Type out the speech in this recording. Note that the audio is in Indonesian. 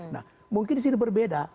nah mungkin disini berbeda